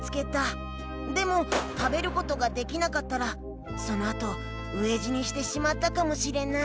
でも食べることができなかったらそのあと飢え死にしてしまったかもしれない。